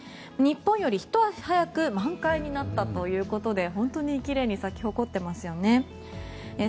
日本よりひと足早く満開になったということで本当に奇麗に咲き誇っていますよね。